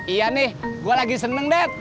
iya nih gue lagi seneng deh